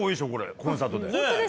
コンサートで。